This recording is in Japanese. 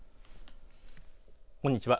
こんにちは。